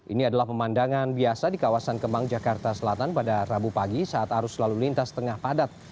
ini adalah pemandangan biasa di kawasan kemang jakarta selatan pada rabu pagi saat arus lalu lintas tengah padat